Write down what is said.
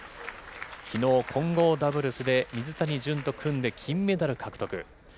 きのう、混合ダブルスで水谷隼と組んで金メダル獲得。